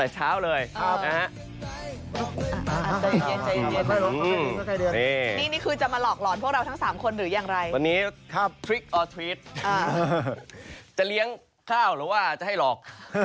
จะเลี้ยงข้าวหรือว่าจะให้หลอก